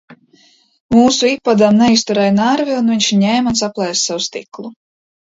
Mūsu ipadam neizturēja nervi un viņš ņēma un saplēsa sev stiklu.